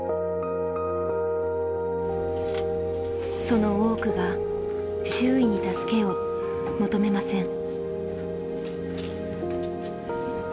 その多くが周囲に助けを求めません。